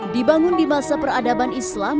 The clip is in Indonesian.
dibangun di masa peradaban islam